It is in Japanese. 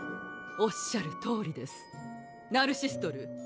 おっしゃるとおりですナルシストルー！